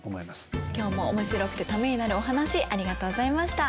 今日もおもしろくてためになるお話ありがとうございました。